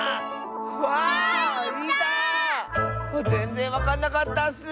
あっぜんぜんわかんなかったッス。